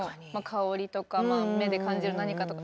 香りとか目で感じる何かとか。